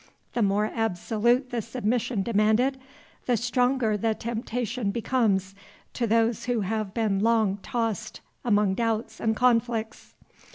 The more absolute the submission demanded, the stronger the temptation becomes to those who have been long tossed among doubts and conflicts.